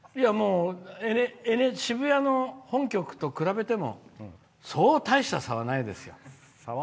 渋谷の本局と比べても、そう大した差はないですよ。